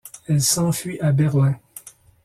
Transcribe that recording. Elle s'enfuit à Berlin.